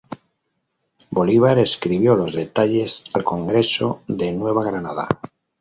Bolívar escribió los detalles al Congreso de Nueva Granada.